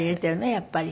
やっぱり。